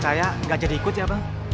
saya nggak jadi ikut ya bang